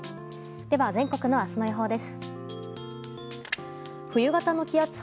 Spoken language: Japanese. では、全国の明日の予報です。